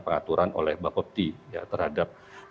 pengaturan oleh bakopti ya terhadap